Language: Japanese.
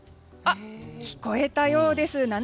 聞こえたようです。